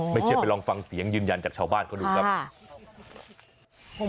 ไม่เชื่อไปลองฟังเสียงยืนยันจากชาวบ้านเขาดูครับ